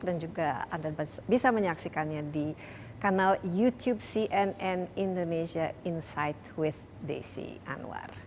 dan juga anda bisa menyaksikannya di kanal youtube cnn indonesia insight with desi anwar